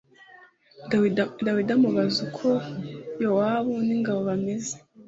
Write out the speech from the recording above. Dawidi amubaza uko Yowabu n’ingabo bameze